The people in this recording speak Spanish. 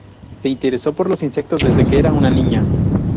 Se interesó por los insectos desde que era una niña.